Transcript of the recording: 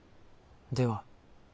では。